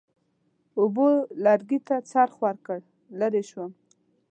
اوبو لرګي ته څرخ ورکړ، لرې شوم.